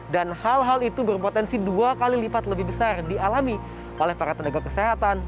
dan hal hal itu berpotensi dua kali lipat lebih besar dialami oleh para tenaga kesehatan